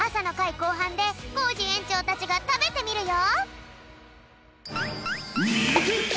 こうはんでコージえんちょうたちがたべてみるよ！